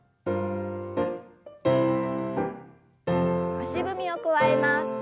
足踏みを加えます。